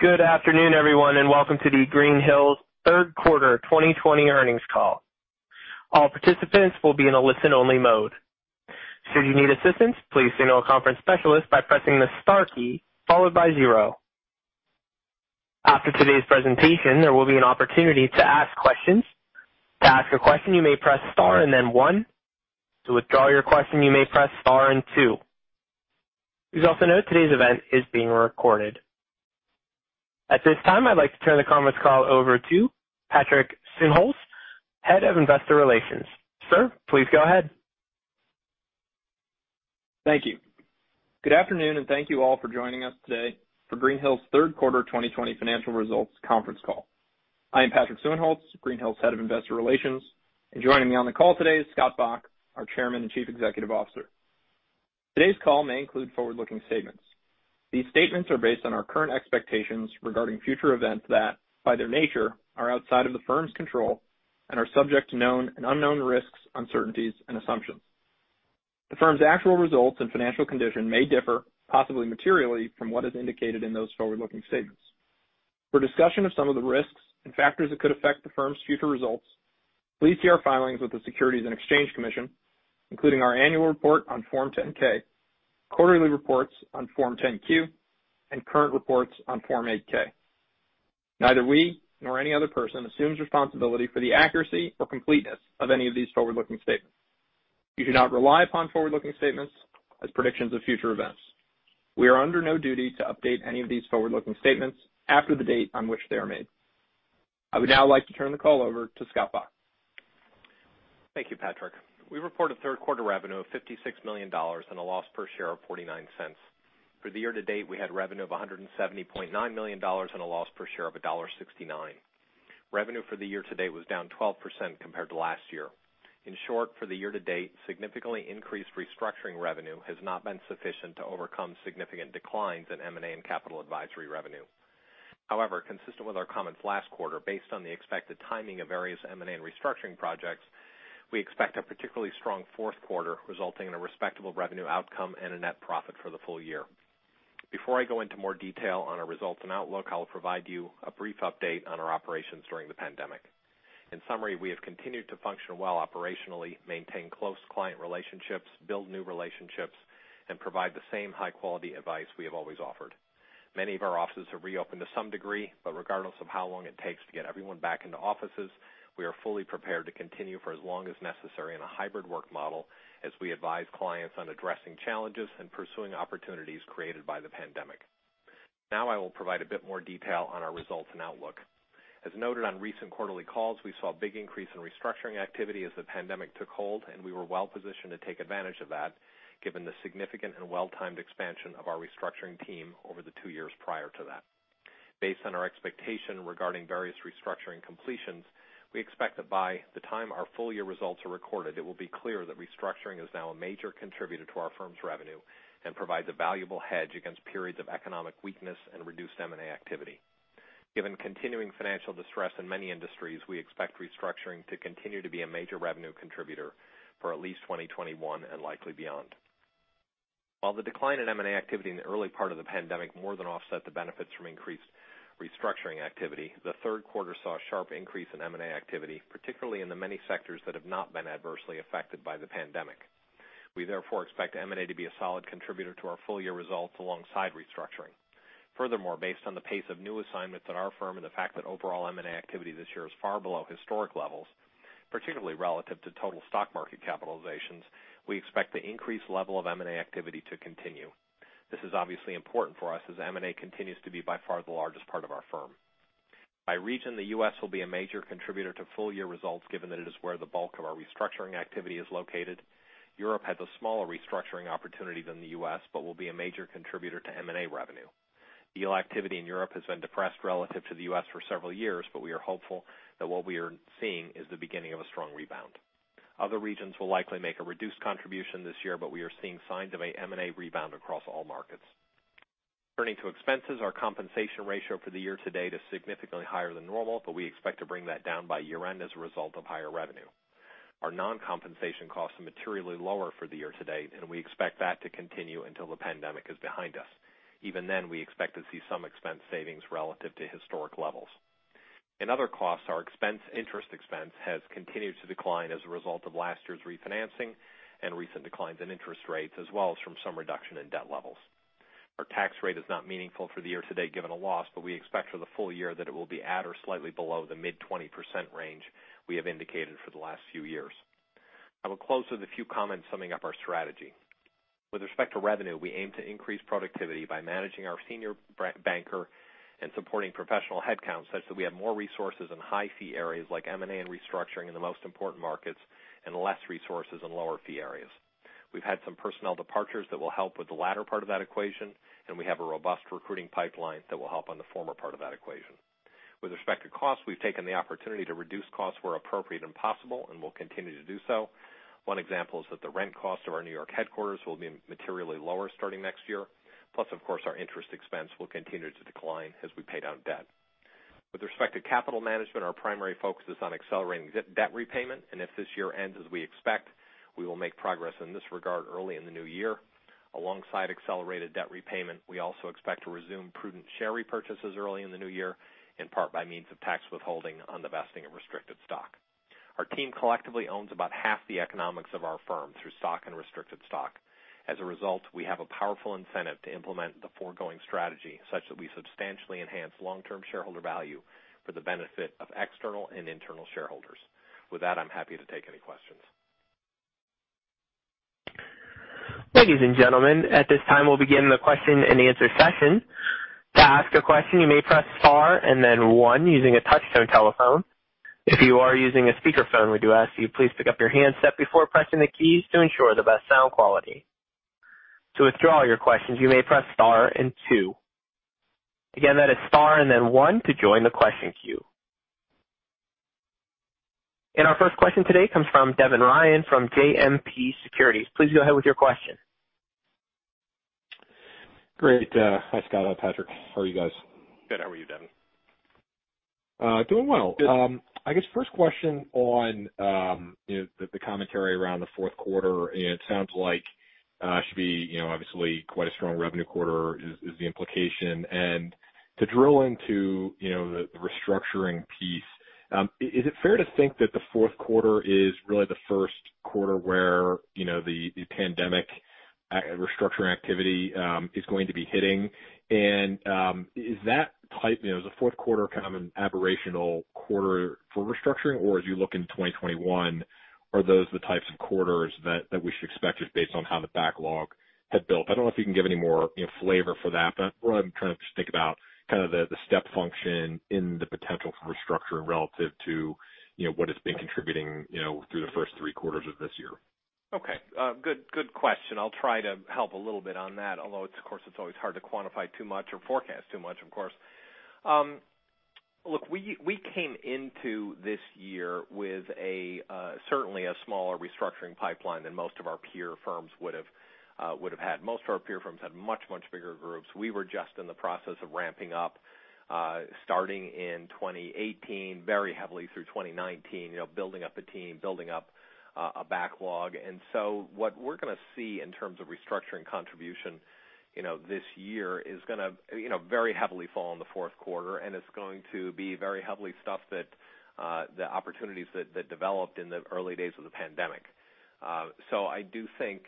Good afternoon, everyone, and welcome to Greenhill's Q3 2020 earnings call. All participants will be in a listen-only mode. Should you need assistance, please signal a conference specialist by pressing the Star key, followed by zero. After today's presentation, there will be an opportunity to ask questions. To ask a question, you may press Star and then one. To withdraw your question, you may press Star and two. Please also note today's event is being recorded. At this time, I'd like to turn the conference call over to Patrick Suehnholz, Head of Investor Relations. Sir, please go ahead. Thank you. Good afternoon, and thank you all for joining us today for Greenhill's Q3 2020 financial results conference call. I am Patrick Suehnholz, Greenhill's Head of Investor Relations, and joining me on the call today is Scott Bok, our Chairman and Chief Executive Officer. Today's call may include forward-looking statements. These statements are based on our current expectations regarding future events that, by their nature, are outside of the firm's control and are subject to known and unknown risks, uncertainties, and assumptions. The firm's actual results and financial condition may differ, possibly materially, from what is indicated in those forward-looking statements. For discussion of some of the risks and factors that could affect the firm's future results, please see our filings with the Securities and Exchange Commission, including our annual report on Form 10-K, quarterly reports on Form 10-Q, and current reports on Form 8-K. Neither we nor any other person assumes responsibility for the accuracy or completeness of any of these forward-looking statements. You should not rely upon forward-looking statements as predictions of future events. We are under no duty to update any of these forward-looking statements after the date on which they are made. I would now like to turn the call over to Scott Bok. Thank you, Patrick. We report a Q3 revenue of $56 million and a loss per share of $0.49. For the year to date, we had revenue of $170.9 million and a loss per share of $1.69. Revenue for the year to date was down 12% compared to last year. In short, for the year to date, significantly increased restructuring revenue has not been sufficient to overcome significant declines in M&A and Capital Advisory revenue. However, consistent with our comments last quarter, based on the expected timing of various M&A and restructuring projects, we expect a particularly strong Q4, resulting in a respectable revenue outcome and a net profit for the full year. Before I go into more detail on our results and outlook, I will provide you a brief update on our operations during the pandemic. In summary, we have continued to function well operationally, maintain close client relationships, build new relationships, and provide the same high-quality advice we have always offered. Many of our offices have reopened to some degree, but regardless of how long it takes to get everyone back into offices, we are fully prepared to continue for as long as necessary in a hybrid work model as we advise clients on addressing challenges and pursuing opportunities created by the pandemic. Now, I will provide a bit more detail on our results and outlook. As noted on recent quarterly calls, we saw a big increase in restructuring activity as the pandemic took hold, and we were well positioned to take advantage of that, given the significant and well-timed expansion of our restructuring team over the two years prior to that. Based on our expectation regarding various restructuring completions, we expect that by the time our full year results are recorded, it will be clear that restructuring is now a major contributor to our firm's revenue and provides a valuable hedge against periods of economic weakness and reduced M&A activity. Given continuing financial distress in many industries, we expect restructuring to continue to be a major revenue contributor for at least 2021 and likely beyond. While the decline in M&A activity in the early part of the pandemic more than offset the benefits from increased restructuring activity, the Q3 saw a sharp increase in M&A activity, particularly in the many sectors that have not been adversely affected by the pandemic. We therefore expect M&A to be a solid contributor to our full year results alongside restructuring. Furthermore, based on the pace of new assignments at our firm and the fact that overall M&A activity this year is far below historic levels, particularly relative to total stock market capitalizations, we expect the increased level of M&A activity to continue. This is obviously important for us as M&A continues to be by far the largest part of our firm. By region, the U.S. will be a major contributor to full year results, given that it is where the bulk of our restructuring activity is located. Europe has a smaller restructuring opportunity than the U.S., but will be a major contributor to M&A revenue. Deal activity in Europe has been depressed relative to the U.S. for several years, but we are hopeful that what we are seeing is the beginning of a strong rebound. Other regions will likely make a reduced contribution this year, but we are seeing signs of a M&A rebound across all markets. Turning to expenses, our compensation ratio for the year to date is significantly higher than normal, but we expect to bring that down by year-end as a result of higher revenue. Our non-compensation costs are materially lower for the year to date, and we expect that to continue until the pandemic is behind us. Even then, we expect to see some expense savings relative to historic levels. In other costs, our expense, interest expense has continued to decline as a result of last year's refinancing and recent declines in interest rates, as well as from some reduction in debt levels. Our tax rate is not meaningful for the year to date, given a loss, but we expect for the full year that it will be at or slightly below the mid-20% range we have indicated for the last few years. I will close with a few comments summing up our strategy. With respect to revenue, we aim to increase productivity by managing our senior banker and supporting professional headcount, such that we have more resources in high-fee areas like M&A and restructuring in the most important markets and less resources in lower-fee areas. We've had some personnel departures that will help with the latter part of that equation, and we have a robust recruiting pipeline that will help on the former part of that equation. With respect to cost, we've taken the opportunity to reduce costs where appropriate and possible, and will continue to do so. One example is that the rent cost of our New York headquarters will be materially lower starting next year. Plus, of course, our interest expense will continue to decline as we pay down debt. With respect to capital management, our primary focus is on accelerating debt repayment, and if this year ends as we expect, we will make progress in this regard early in the new year. Alongside accelerated debt repayment, we also expect to resume prudent share repurchases early in the new year, in part by means of tax withholding on the vesting of restricted stock. Our team collectively owns about half the economics of our firm through stock and restricted stock. As a result, we have a powerful incentive to implement the foregoing strategy such that we substantially enhance long-term shareholder value for the benefit of external and internal shareholders. With that, I'm happy to take any questions. Ladies and gentlemen, at this time, we'll begin the question and answer session. To ask a question, you may press star and then one using a touchtone telephone. If you are using a speakerphone, we do ask you please pick up your handset before pressing the keys to ensure the best sound quality. To withdraw your questions, you may press star and two. Again, that is star and then one to join the question queue. And our first question today comes from Devin Ryan from JMP Securities. Please go ahead with your question. Great. Hi, Scott, Patrick, how are you guys? Good. How are you, Devin? Doing well. I guess first question on, you know, the commentary around the Q4, it sounds like should be, you know, obviously quite a strong revenue quarter is the implication. To drill into, you know, the restructuring piece, is it fair to think that the Q4 is really the Q1 where, you know, the pandemic restructuring activity is going to be hitting? And is that type, you know, is the Q4 kind of an aberrational quarter for restructuring, or as you look into 2021, are those the types of quarters that we should expect just based on how the backlog had built? I don't know if you can give any more, you know, flavor for that, but I'm trying to just think about kind of the step function in the potential for restructuring relative to, you know, what has been contributing, you know, through the first Q3 of this year. Okay. Good, good question. I'll try to help a little bit on that, although it's of course, it's always hard to quantify too much or forecast too much, of course. Look, we, we came into this year with a certainly a smaller restructuring pipeline than most of our peer firms would have would have had. Most of our peer firms had much, much bigger groups. We were just in the process of ramping up starting in 2018, very heavily through 2019, you know, building up a team, building up a backlog. And so what we're going to see in terms of restructuring contribution, you know, this year is going to, you know, very heavily fall in the Q4, and it's going to be very heavily stuffed that the opportunities that that developed in the early days of the pandemic. So I do think,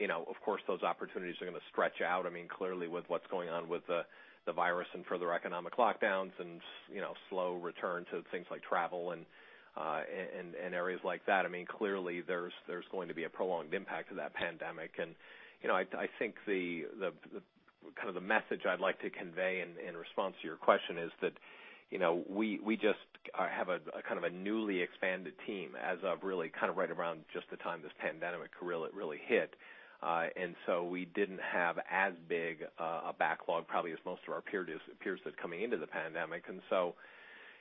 you know, of course, those opportunities are going to stretch out. I mean, clearly with what's going on with the virus and further economic lockdowns and, you know, slow return to things like travel and areas like that, I mean, clearly there's going to be a prolonged impact of that pandemic. And, you know, I think the kind of the message I'd like to convey in response to your question is that, you know, we just have a kind of a newly expanded team as of really kind of right around just the time this pandemic really hit. And so we didn't have as big a backlog probably as most of our peers coming into the pandemic. And so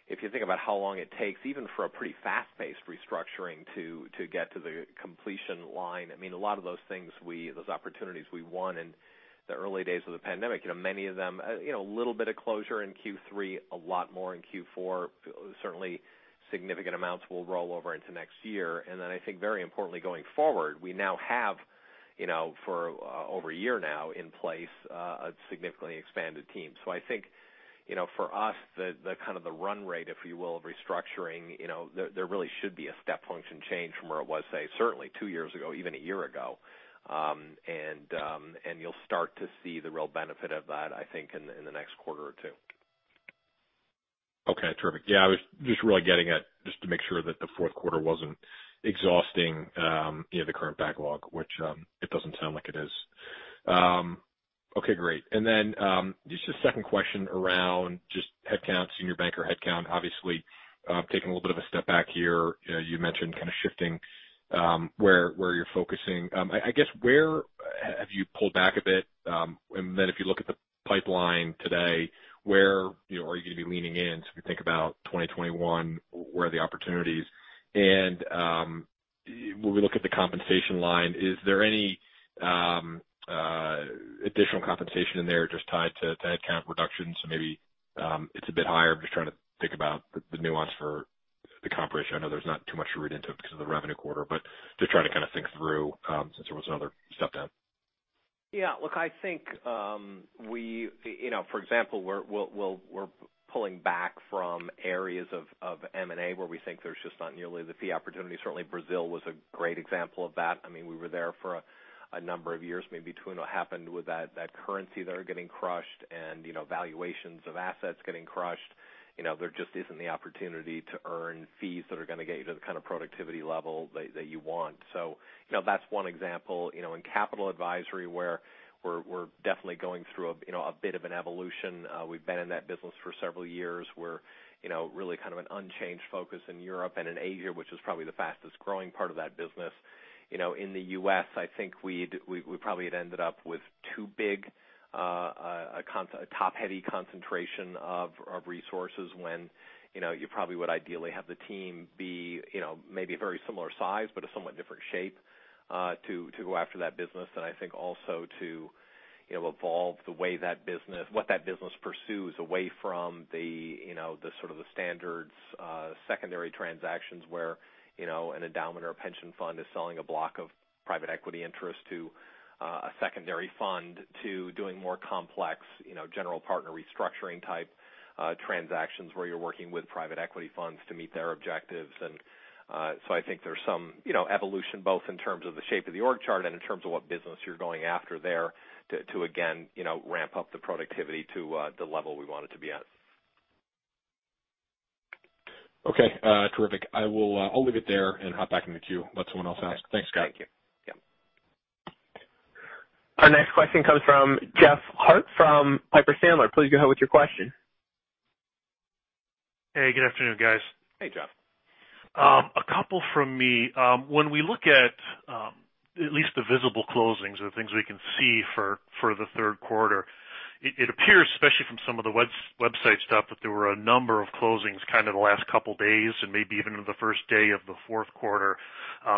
if you think about how long it takes, even for a pretty fast-paced restructuring to get to the completion line, I mean, a lot of those things—those opportunities we won in the early days of the pandemic, you know, many of them, you know, a little bit of closure in Q3, a lot more in Q4. Certainly significant amounts will roll over into next year. And then I think very importantly, going forward, we now have, you know, for over a year now in place a significantly expanded team. So I think, you know, for us, the kind of the run rate, if you will, of restructuring, you know, there really should be a step function change from where it was, say, certainly two years ago, even a year ago. You'll start to see the real benefit of that, I think, in the next quarter or two. Okay, terrific. Yeah, I was just really getting at just to make sure that the Q4 wasn't exhausting, you know, the current backlog, which, it doesn't sound like it is. Okay, great. And then, just a second question around just headcount, senior banker headcount. Obviously, taking a little bit of a step back here, you know, you mentioned kind of shifting, where, where you're focusing. I guess, where have you pulled back a bit? And then if you look at the pipeline today, where, you know, are you going to be leaning in as we think about 2021, where are the opportunities? And, when we look at the compensation line, is there any, additional compensation in there just tied to headcount reductions? So maybe, it's a bit higher. I'm just trying to think about the nuance for the compensation. I know there's not too much to read into it because of the revenue quarter, but just trying to kind of think through, since there was another step down. Yeah. Look, I think, we, you know, for example, we're pulling back from areas of M&A where we think there's just not nearly the fee opportunity. Certainly, Brazil was a great example of that. I mean, we were there for a number of years, maybe two. And what happened with that currency there getting crushed and, you know, valuations of assets getting crushed, you know, there just isn't the opportunity to earn fees that are going to get you to the kind of productivity level that you want. So, you know, that's one example. You know, in Capital Advisory, where we're definitely going through a, you know, a bit of an evolution. We've been in that business for several years. We're, you know, really kind of an unchanged focus in Europe and in Asia, which is probably the fastest-growing part of that business. You know, in the US, I think we probably had ended up with two big, a top-heavy concentration of resources when, you know, you probably would ideally have the team be, you know, maybe a very similar size, but a somewhat different shape, to go after that business. And I think also to-... You know, evolve the way that business, what that business pursues away from the, you know, the sort of the standards, secondary transactions where, you know, an endowment or a pension fund is selling a block of private equity interest to a secondary fund to doing more complex, you know, general partner restructuring type transactions, where you're working with private equity funds to meet their objectives. So I think there's some, you know, evolution, both in terms of the shape of the org chart and in terms of what business you're going after there to, to, again, you know, ramp up the productivity to the level we want it to be at. Okay, terrific. I will, I'll leave it there and hop back in the queue, let someone else ask. Okay. Thanks, Scott. Thank you. Yeah. Our next question comes from Jeff Harte from Piper Sandler. Please go ahead with your question. Hey, good afternoon, guys. Hey, Jeff. A couple from me. When we look at least the visible closings or the things we can see for the Q3, it appears, especially from some of the website stuff, that there were a number of closings kind of the last couple of days and maybe even in the first day of the Q4.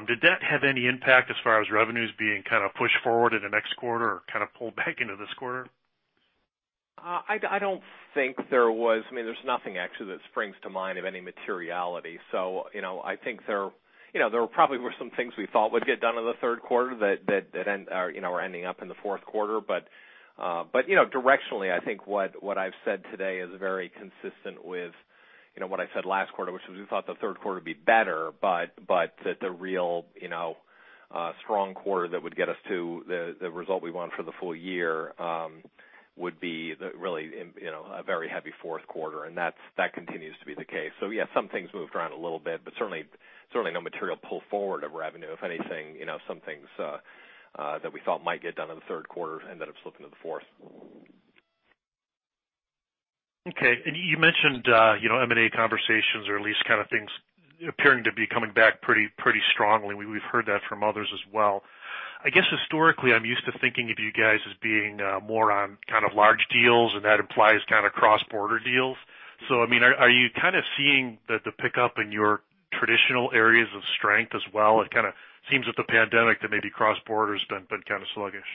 Did that have any impact as far as revenues being kind of pushed forward in the next quarter or kind of pulled back into this quarter? I don't think there was... I mean, there's nothing actually that springs to mind of any materiality. So, you know, I think there, you know, there probably were some things we thought would get done in the Q3 that end up in the Q4. But, but, you know, directionally, I think what I've said today is very consistent with, you know, what I said last quarter, which was we thought the Q3 would be better, but that the real strong quarter that would get us to the result we want for the full year would be really a very heavy Q4, and that continues to be the case. So, yeah, some things moved around a little bit, but certainly, certainly no material pull forward of revenue. If anything, you know, some things that we thought might get done in the Q3 ended up slipping to the fourth. Okay. And you mentioned, you know, M&A conversations or at least kind of things appearing to be coming back pretty strongly. We've heard that from others as well. I guess historically, I'm used to thinking of you guys as being more on kind of large deals, and that implies kind of cross-border deals. So, I mean, are you kind of seeing the pickup in your traditional areas of strength as well? It kind of seems with the pandemic that maybe cross-border has been kind of sluggish.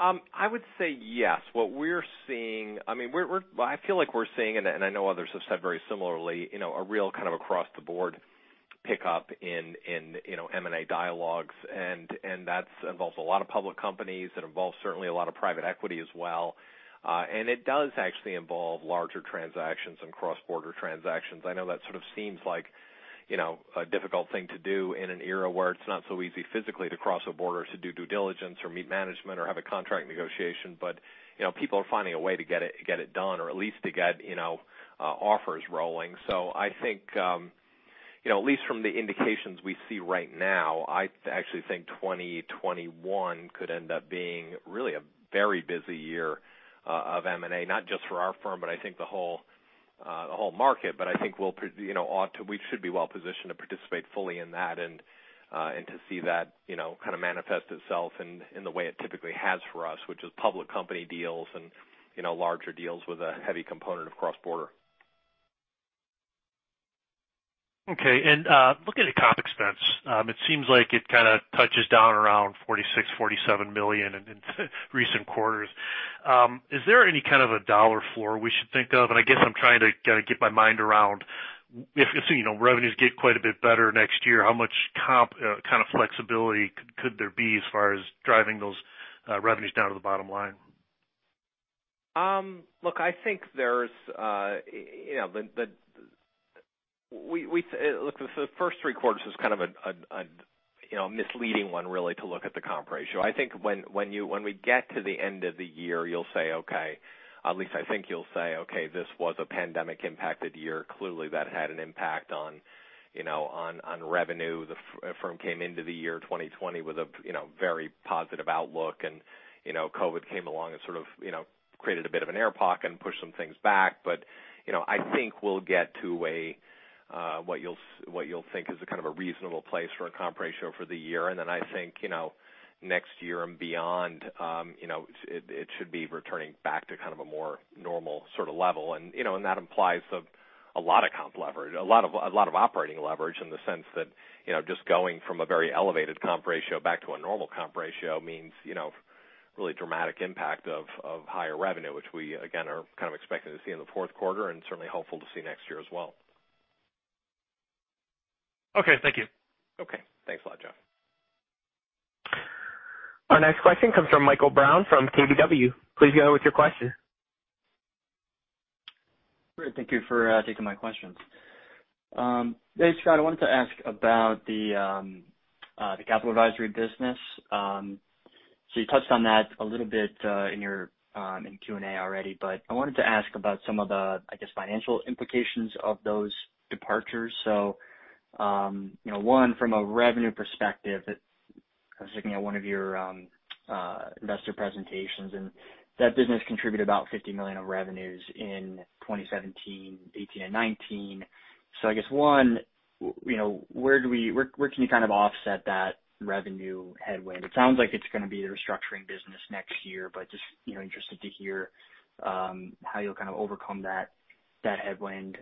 I would say yes. What we're seeing - I mean, I feel like we're seeing, and I know others have said very similarly, you know, a real kind of across the board pickup in, you know, M&A dialogues, and that involves a lot of public companies. It involves certainly a lot of private equity as well. And it does actually involve larger transactions and cross-border transactions. I know that sort of seems like, you know, a difficult thing to do in an era where it's not so easy physically to cross a border to do due diligence or meet management or have a contract negotiation. But, you know, people are finding a way to get it done, or at least to get, you know, offers rolling. So I think, you know, at least from the indications we see right now, I actually think 2021 could end up being really a very busy year of M&A, not just for our firm, but I think the whole, the whole market. But I think we'll, you know, ought to, we should be well positioned to participate fully in that and, and to see that, you know, kind of manifest itself in, in the way it typically has for us, which is public company deals and, you know, larger deals with a heavy component of cross-border. Okay. And looking at comp expense, it seems like it kind of touches down around $46-$47 million in recent quarters. Is there any kind of a dollar floor we should think of? And I guess I'm trying to kind of get my mind around if, you know, revenues get quite a bit better next year, how much comp kind of flexibility could there be as far as driving those revenues down to the bottom line? Look, I think there's, you know, Look, the first Q3 is kind of a, an, an, you know, misleading one, really, to look at the comp ratio. I think when we get to the end of the year, you'll say, "Okay," at least I think you'll say, "Okay, this was a pandemic impacted year." Clearly, that had an impact on, you know, on revenue. The firm came into the year 2020 with a, you know, very positive outlook, and, you know, COVID came along and sort of, you know, created a bit of an air pocket and pushed some things back. But, you know, I think we'll get to a, what you'll think is a kind of a reasonable place for a comp ratio for the year. And then I think, you know, next year and beyond, you know, it, it should be returning back to kind of a more normal sort of level. And, you know, and that implies a lot of comp leverage, a lot of operating leverage in the sense that, you know, just going from a very elevated comp ratio back to a normal comp ratio means, you know, really dramatic impact of higher revenue, which we, again, are kind of expecting to see in the Q4 and certainly hopeful to see next year as well. Okay, thank you. Okay. Thanks a lot, Jeff. Our next question comes from Michael Brown from KBW. Please go ahead with your question. Great. Thank you for taking my questions. Hey, Scott, I wanted to ask about the capital advisory business. So you touched on that a little bit in your Q&A already, but I wanted to ask about some of the, I guess, financial implications of those departures. So, you know, one, from a revenue perspective, I was looking at one of your investor presentations, and that business contributed about $50 million of revenues in 2017, 2018 and 2019. So I guess, one, you know, where do we—where can you kind of offset that revenue headwind? It sounds like it's going to be the restructuring business next year, but just, you know, interested to hear how you'll kind of overcome that headwind.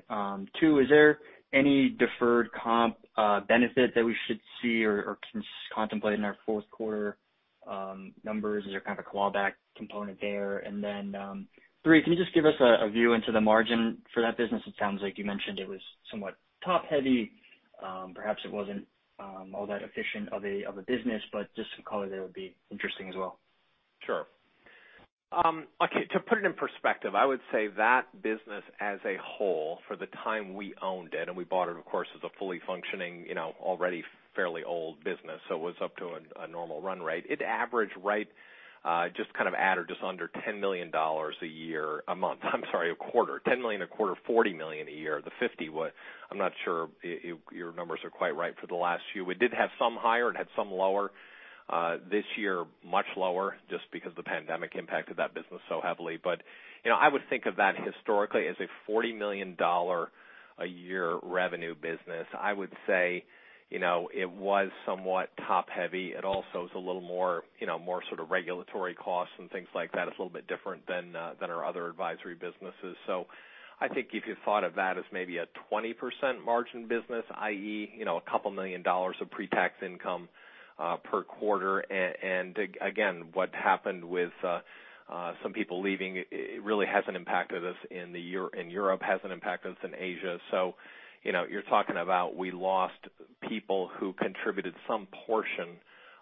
2, is there any deferred comp benefit that we should see or contemplate in our Q4 numbers? Is there kind of a clawback component there? And then, 3, can you just give us a view into the margin for that business? It sounds like you mentioned it was somewhat top-heavy. Perhaps it wasn't all that efficient of a business, but just some color there would be interesting as well. Sure. Okay, to put it in perspective, I would say that business as a whole, for the time we owned it, and we bought it, of course, as a fully functioning, you know, already fairly old business, so it was up to a normal run rate. It averaged right, just kind of at or just under $10 million a year, a month, I'm sorry, a quarter. $10 million a quarter, $40 million a year. The $50 was... I'm not sure if your numbers are quite right for the last few. We did have some higher, it had some lower, this year, much lower, just because the pandemic impacted that business so heavily. But, you know, I would think of that historically as a $40 million a year revenue business. I would say, you know, it was somewhat top-heavy. It also is a little more, you know, more sort of regulatory costs and things like that. It's a little bit different than our other advisory businesses. So I think if you thought of that as maybe a 20% margin business, i.e., you know, a couple million dollars of pre-tax income per quarter. And again, what happened with some people leaving, it really hasn't impacted us in Europe, hasn't impacted us in Asia. So, you know, you're talking about we lost people who contributed some portion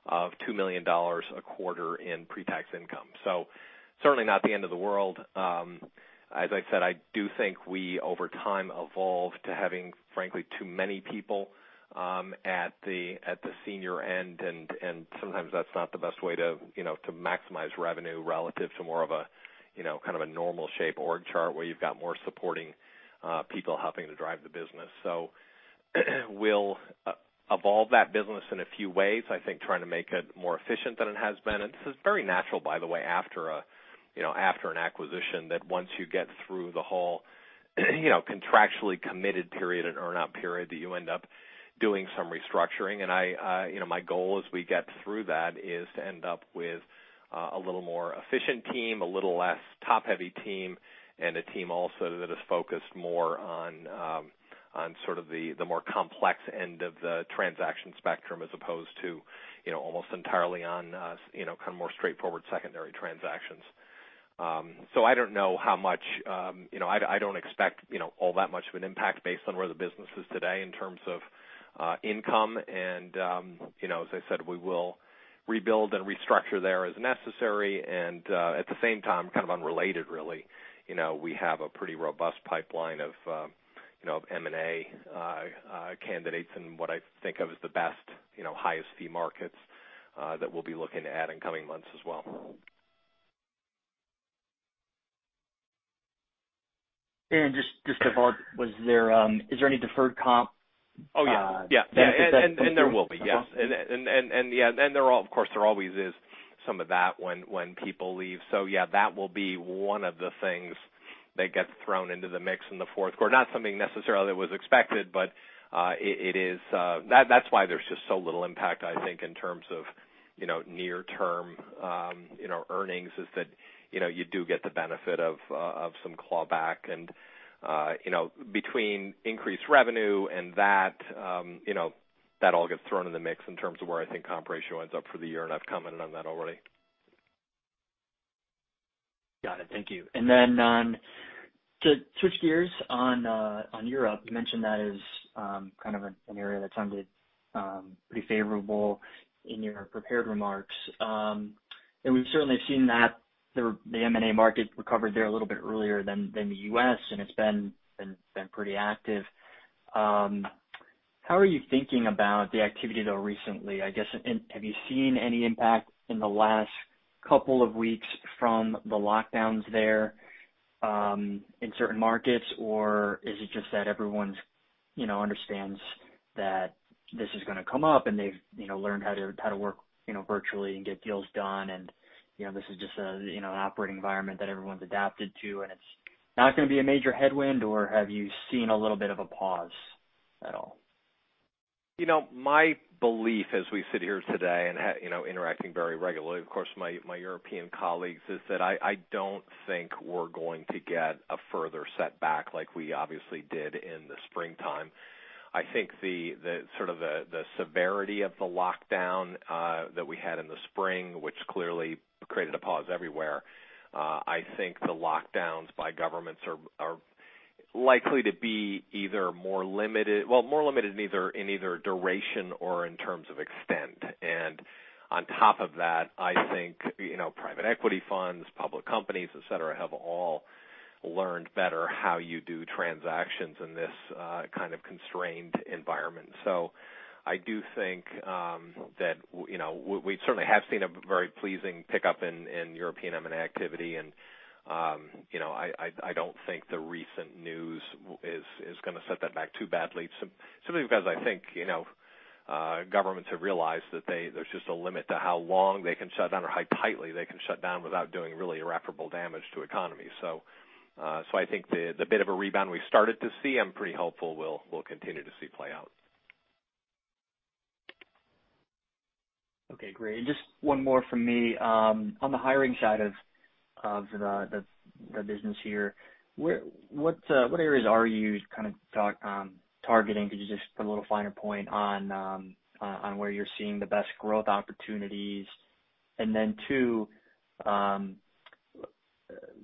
of $2 million a quarter in pre-tax income. So certainly not the end of the world. As I said, I do think we, over time, evolved to having, frankly, too many people at the senior end, and sometimes that's not the best way to, you know, to maximize revenue relative to more of a, you know, kind of a normal shape org chart, where you've got more supporting people helping to drive the business. So we'll evolve that business in a few ways, I think, trying to make it more efficient than it has been. This is very natural, by the way, after, you know, an acquisition, that once you get through the whole, you know, contractually committed period and earn out period, that you end up doing some restructuring. And I, you know, my goal as we get through that is to end up with a little more efficient team, a little less top-heavy team, and a team also that is focused more on sort of the more complex end of the transaction spectrum, as opposed to, you know, almost entirely on, you know, kind of more straightforward secondary transactions. So I don't know how much, you know, I don't expect, you know, all that much of an impact based on where the business is today in terms of income. And, you know, as I said, we will rebuild and restructure there as necessary. At the same time, kind of unrelated, really, you know, we have a pretty robust pipeline of, you know, M&A candidates in what I think of as the best, you know, highest fee markets that we'll be looking at in coming months as well. Just to follow up, is there any deferred comp? Oh, yeah. Yeah. And is that- There will be. Yes. Okay. Yeah, of course, there always is some of that when people leave. So yeah, that will be one of the things that gets thrown into the mix in the Q4. Not something necessarily that was expected, but it is. That's why there's just so little impact, I think, in terms of, you know, near-term, you know, earnings, is that, you know, you do get the benefit of some clawback. And you know, between increased revenue and that, you know, that all gets thrown in the mix in terms of where I think comp ratio ends up for the year, and I've commented on that already. Got it. Thank you. And then, to switch gears on, on Europe, you mentioned that as kind of an area that sounded pretty favorable in your prepared remarks. And we've certainly seen that the M&A market recovered there a little bit earlier than the U.S., and it's been pretty active. How are you thinking about the activity, though, recently? I guess, have you seen any impact in the last couple of weeks from the lockdowns there, in certain markets, or is it just that everyone's, you know, understands that this is gonna come up and they've, you know, learned how to work, you know, virtually and get deals done, and, you know, this is just a, you know, an operating environment that everyone's adapted to, and it's not gonna be a major headwind, or have you seen a little bit of a pause at all? You know, my belief as we sit here today and, you know, interacting very regularly, of course, my European colleagues, is that I don't think we're going to get a further setback like we obviously did in the springtime. I think the sort of the severity of the lockdown that we had in the spring, which clearly created a pause everywhere, I think the lockdowns by governments are likely to be either more limited... Well, more limited in either duration or in terms of extent. And on top of that, I think, you know, private equity funds, public companies, et cetera, have all learned better how you do transactions in this kind of constrained environment. So I do think that, you know, we certainly have seen a very pleasing pickup in European M&A activity. And, you know, I don't think the recent news is gonna set that back too badly. Simply because I think, you know, governments have realized that there's just a limit to how long they can shut down or how tightly they can shut down without doing really irreparable damage to economies. So, so I think the bit of a rebound we've started to see, I'm pretty hopeful we'll continue to see play out. Okay, great. And just one more from me. On the hiring side of the business here. What areas are you kind of targeting? Could you just put a little finer point on where you're seeing the best growth opportunities? And then, too,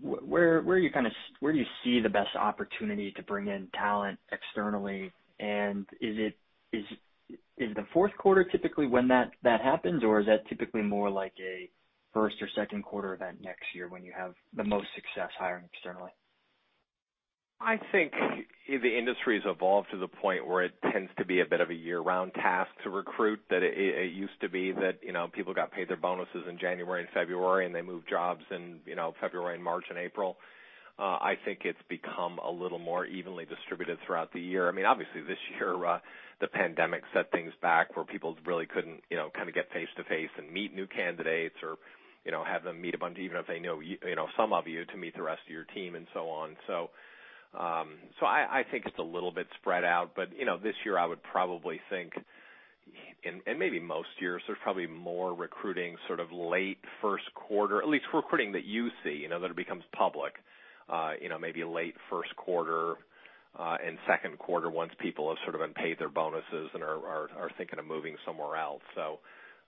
where do you see the best opportunity to bring in talent externally? And is it the Q4 typically when that happens, or is that typically more like a first or Q2 event next year when you have the most success hiring externally? I think the industry has evolved to the point where it tends to be a bit of a year-round task to recruit. It used to be that, you know, people got paid their bonuses in January and February, and they moved jobs in, you know, February and March and April. I think it's become a little more evenly distributed throughout the year. I mean, obviously, this year, the pandemic set things back where people really couldn't, you know, kind of get face-to-face and meet new candidates or, you know, have them meet a bunch, even if they know you, you know, some of you, to meet the rest of your team and so on. So, I think it's a little bit spread out, but, you know, this year I would probably think, and maybe most years, there's probably more recruiting sort of late Q1, at least recruiting that you see, you know, that it becomes public. You know, maybe late Q1, and Q1 once people have sort of been paid their bonuses and are thinking of moving somewhere else. So,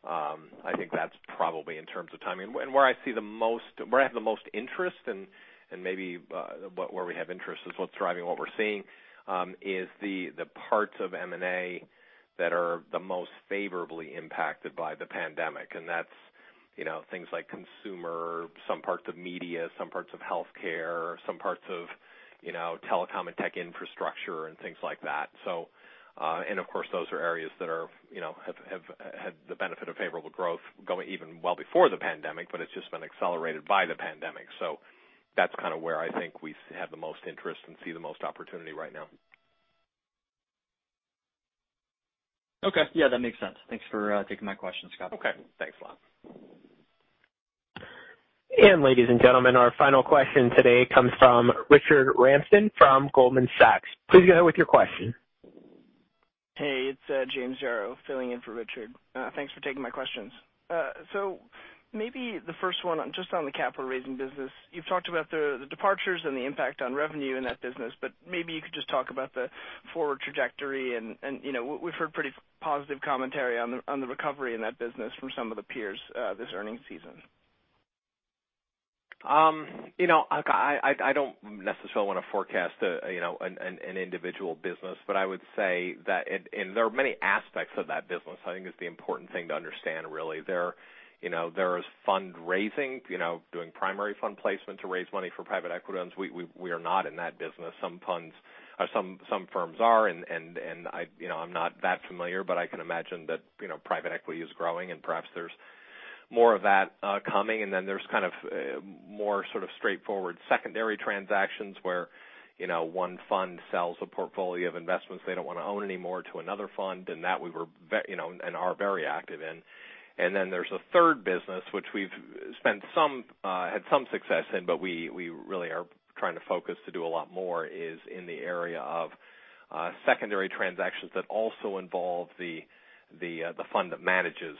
I think that's probably in terms of timing. And where I see the most, where I have the most interest, and maybe where we have interest is what's driving what we're seeing, is the parts of M&A that are the most favorably impacted by the pandemic. And that's, you know, things like consumer, some parts of media, some parts of healthcare, some parts of, you know, telecom and tech infrastructure and things like that. So, and of course, those are areas that are, you know, have, have had the benefit of favorable growth going even well before the pandemic, but it's just been accelerated by the pandemic. So that's kind of where I think we have the most interest and see the most opportunity right now. Okay. Yeah, that makes sense. Thanks for taking my question, Scott. Okay. Thanks a lot. Ladies and gentlemen, our final question today comes from Richard Ramsden from Goldman Sachs. Please go ahead with your question. Hey, it's James Yaro filling in for Richard. Thanks for taking my questions. So maybe the first one, just on the capital raising business. You've talked about the departures and the impact on revenue in that business, but maybe you could just talk about the forward trajectory and, you know, we've heard pretty positive commentary on the recovery in that business from some of the peers, this earnings season. You know, I don't necessarily want to forecast, you know, an individual business, but I would say that... and there are many aspects of that business, I think is the important thing to understand, really. There you know, there is fundraising, you know, doing primary fund placement to raise money for private equity loans. We are not in that business. Some funds or some firms are, and I you know, I'm not that familiar, but I can imagine that, you know, private equity is growing, and perhaps there's more of that coming. And then there's kind of more sort of straightforward secondary transactions where, you know, one fund sells a portfolio of investments they don't want to own anymore to another fund, and that we were very you know, and are very active in. And then there's a third business, which we've spent some, had some success in, but we, we really are trying to focus to do a lot more, is in the area of, secondary transactions that also involve the, the, the fund that manages,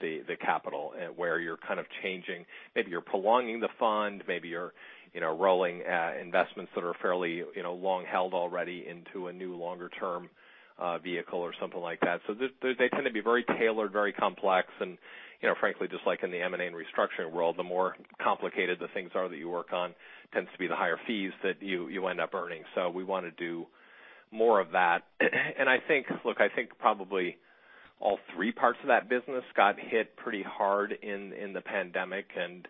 the, the capital, where you're kind of changing maybe you're prolonging the fund, maybe you're, you know, rolling, investments that are fairly, you know, long held already into a new longer-term, vehicle or something like that. So they tend to be very tailored, very complex, and, you know, frankly, just like in the M&A and restructuring world, the more complicated the things are that you work on tends to be the higher fees that you, you end up earning. So we want to do more of that. And I think, look, I think probably all three parts of that business got hit pretty hard in the pandemic, and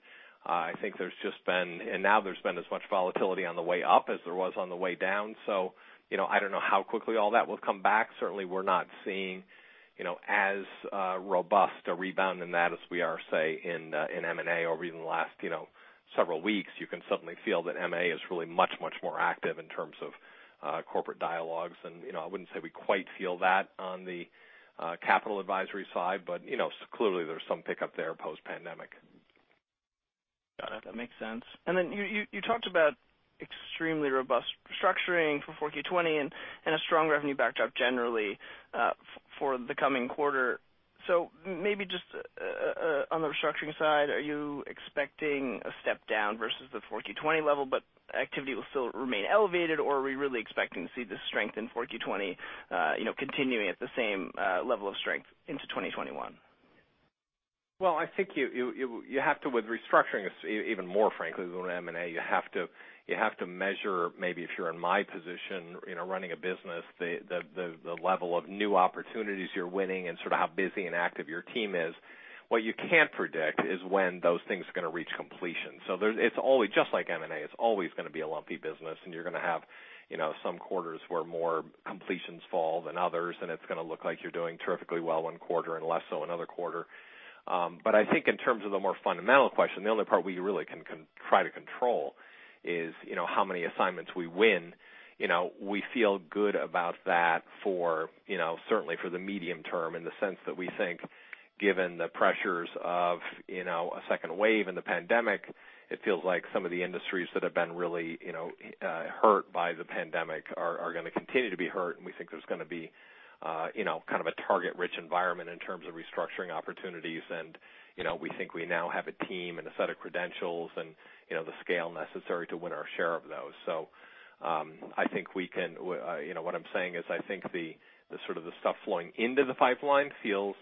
I think there's just been... And now there's been as much volatility on the way up as there was on the way down. So, you know, I don't know how quickly all that will come back. Certainly, we're not seeing, you know, as robust a rebound in that as we are, say, in M&A or even in the last, you know, several weeks. You can suddenly feel that M&A is really much, much more active in terms of corporate dialogues. And, you know, I wouldn't say we quite feel that on the Capital Advisory side, but, you know, clearly there's some pickup there post-pandemic. Got it. That makes sense. And then you talked about extremely robust restructuring for 4Q20 and a strong revenue backdrop generally, for the coming quarter. So maybe just, on the restructuring side, are you expecting a step down versus the 4Q20 level, but activity will still remain elevated, or are we really expecting to see the strength in 4Q20, you know, continuing at the same level of strength into 2021? Well, I think you have to, with restructuring, it's even more frankly than M&A, you have to measure, maybe if you're in my position, you know, running a business, the level of new opportunities you're winning and sort of how busy and active your team is. What you can't predict is when those things are going to reach completion. So it's always, just like M&A, it's always going to be a lumpy business, and you're going to have, you know, some quarters where more completions fall than others, and it's going to look like you're doing terrifically well Q1 and less so another quarter. But I think in terms of the more fundamental question, the only part we really can try to control is, you know, how many assignments we win. You know, we feel good about that for, you know, certainly for the medium term, in the sense that we think, given the pressures of, you know, a second wave in the pandemic, it feels like some of the industries that have been really, you know, hurt by the pandemic are going to continue to be hurt. And we think there's going to be, you know, kind of a target-rich environment in terms of restructuring opportunities. And, you know, we think we now have a team and a set of credentials and, you know, the scale necessary to win our share of those. So, I think we can, you know, what I'm saying is, I think the sort of stuff flowing into the pipeline feels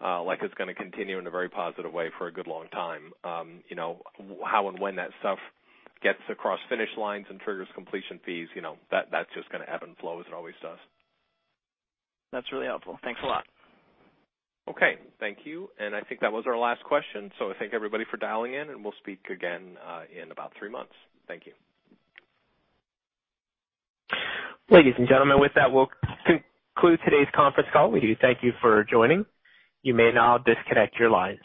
like it's going to continue in a very positive way for a good long time. You know, how and when that stuff gets across finish lines and triggers completion fees, you know, that's just going to ebb and flow as it always does. That's really helpful. Thanks a lot. Okay. Thank you. And I think that was our last question. So I thank everybody for dialing in, and we'll speak again in about three months. Thank you. Ladies and gentlemen, with that, we'll conclude today's conference call. We thank you for joining. You may now disconnect your lines.